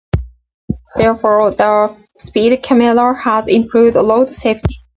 Therefore, the speed camera has improved road safety.